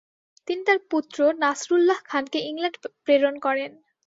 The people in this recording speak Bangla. তিনি তার পুত্র নাসরুল্লাহ খানকে ইংল্যান্ড প্রেরণ করেন।